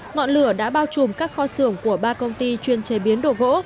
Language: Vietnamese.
ngọn lửa đã bao trùm các kho xưởng của ba công ty chuyên chế biến đồ gỗ